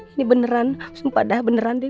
ini beneran sumpah dah beneran deh